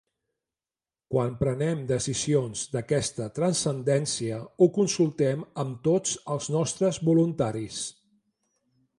Quan prenem decisions d’aquesta transcendència ho consultem amb tots els nostres voluntaris.